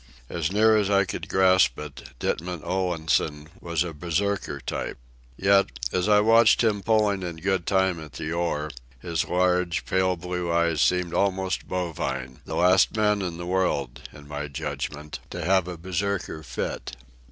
As near as I could grasp it, Ditman Olansen was a Berserker type. Yet, as I watched him pulling in good time at the oar, his large, pale blue eyes seemed almost bovine—the last man in the world, in my judgment, to have a Berserker fit.